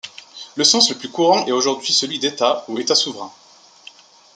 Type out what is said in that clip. Le sens le plus courant est aujourd'hui celui d'État ou État souverain.